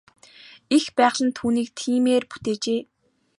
Эх байгаль нь түүнийг тиймээр бүтээжээ.